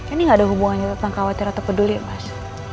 ini gak ada hubungannya tentang khawatir atau peduli mas